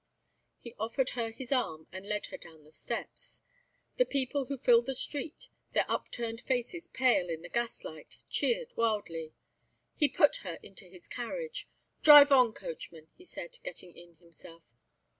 He offered her his arm and led her down the steps. The people who filled the street, their upturned faces pale in the gas light, cheered wildly. He put her into his carriage. "Drive on, coachman," he said, getting in himself.